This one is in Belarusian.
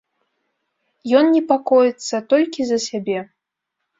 Ён непакоіцца толькі за сябе.